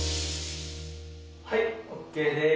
はいＯＫです。